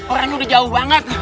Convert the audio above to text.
orangnya udah jauh banget